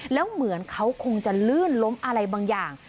แล้วเหมือนเขาคงจะลื่นล้มอะไรบางอย่าง